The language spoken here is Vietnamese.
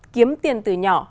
kiếm tiền từ nhỏ